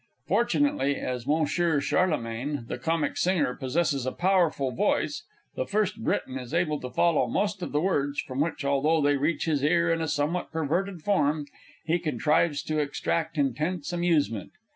Fortunately, as_ M. CHARLEMAGNE, the Comic Singer, possesses a powerful voice, the FIRST BRITON _is able to follow most of the words, from which, although they reach his ear in a somewhat perverted form, he contrives to extract intense amusement.